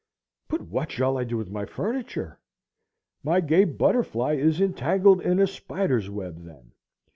"But what shall I do with my furniture?" My gay butterfly is entangled in a spider's web then.